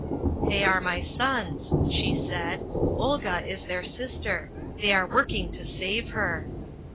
"They are my sons," she said. "Olga is their sister. They are working to save her."